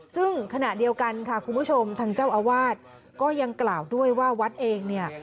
ซึ่งขณะเดียวกันค่ะคุณผู้ชมทางเจ้าอาวาสก็ยังกล่าวด้วยว่าวัดเองเนี่ย